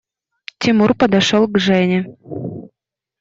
Тимур подошел к Жене.